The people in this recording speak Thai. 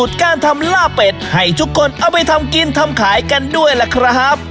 การทำล่าเป็ดให้ทุกคนเอาไปทำกินทำขายกันด้วยล่ะครับ